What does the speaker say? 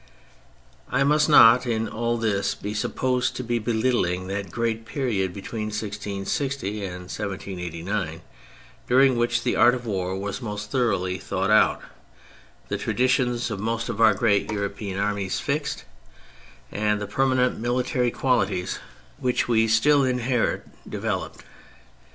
I must not in all this be supposed to be belittling that great period between 1660 and 1789, during which the art of war was most thoroughly thought out, the traditions of most of our great European armies fixed, and the permanent military qualities which THE MILITARY ASPECT 149 we still inherit developed.